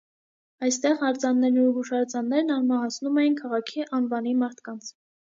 Այստեղ արձաններն ու հուշարձաններն անմահացնում էին քաղաքի անվանի մարդկանց։